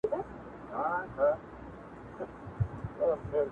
o نن مي بيا پنـځه چيلمه ووهـل.